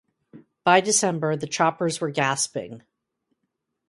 By December, the Choppers were gasping.